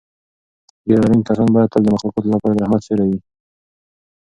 ږیره لرونکي کسان باید تل د مخلوقاتو لپاره د رحمت سیوری وي.